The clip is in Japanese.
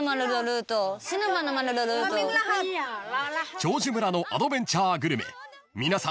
［長寿村のアドベンチャーグルメ皆さん